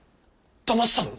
だましたの？